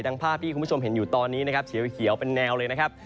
ภาพที่คุณผู้ชมเห็นอยู่ตอนนี้นะครับเขียวเป็นแนวเลยนะครับ